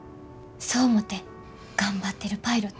そう思って頑張ってるパイロット。